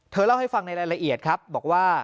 เล่าให้ฟังในรายละเอียดครับบอกว่า